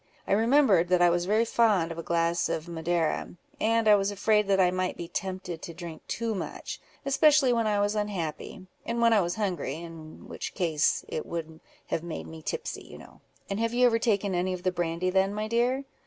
I remembered, that I was very fond of a glass of Madeira, and I was afraid that I might be tempted to drink too much, especially when I was unhappy, and when I was hungry, in which case it would have made me tipsy, you know." "And have you never taken any of the brandy then, my dear?"